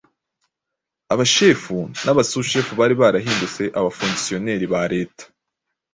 Abashefu n'Abasushefu bari barahindutse abafongisioneri ba Leta,